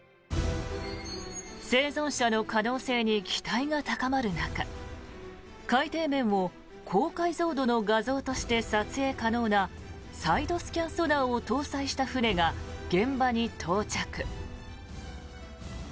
生存者の可能性に期待が高まる中海底面を高解像度の画像として撮影可能なサイドスキャンソナーを搭載した船が、現場に到着。